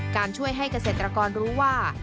ช่วยให้เกษตรกรรู้ว่า